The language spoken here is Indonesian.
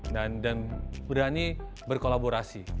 dan berani berkolaborasi